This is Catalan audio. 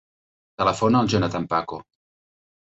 Telefona al Jonathan Paco.